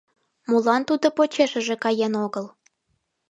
Молан тудо почешыже каен огыл?